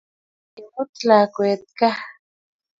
Imut lakwet ga.